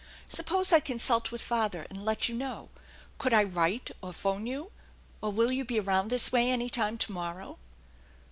" Suppose I consult with father and let you know. Could I write or phone you, or will you be around this way any time to morrow